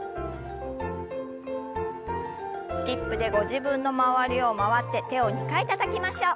スキップでご自分の周りを回って手を２回たたきましょう。